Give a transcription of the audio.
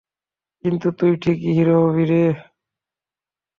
কিন্তু তুই ঠিকি হিরো হবিরে।